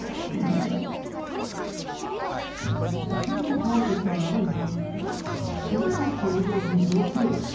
突然、倒れてきた長い棒に飛び上がって驚く女性。